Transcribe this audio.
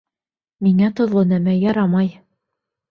Миңә тоҙло нәмә ярамай!